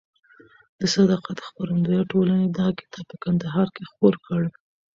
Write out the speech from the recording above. د صداقت خپرندویه ټولنې دغه کتاب په کندهار کې خپور کړ.